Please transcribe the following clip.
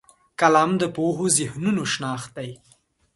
قلم د پوهو ذهنونو شناخت دی